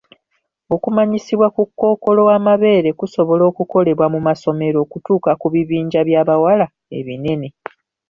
Okumanyisibwa ku kkookola w'amabeere kusobola okukolebwa mu masomero okutuuka ku bibinja by'abawala ebinene.